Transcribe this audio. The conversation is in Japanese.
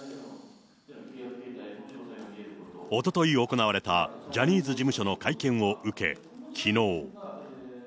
おととい行われたジャニーズ事務所の会見を受け、きのう。